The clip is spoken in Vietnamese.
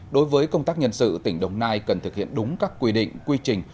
đối với công tác nhân sự tỉnh đồng nai cần thực hiện đúng các quy định quy trình